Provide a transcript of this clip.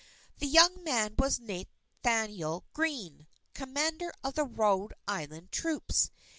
The young man was Nathanael Greene, Commander of the Rhode Island troops.